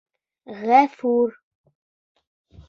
Ғәфүр!